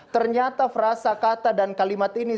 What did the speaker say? ternyata frasa kata dan kalimat ini